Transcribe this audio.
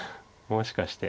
もしかして。